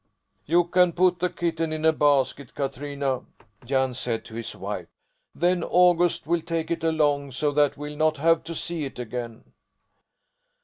"You can put the kitten in a basket, Katrina," Jan said to his wife, "then August will take it along, so that we'll not have to see it again."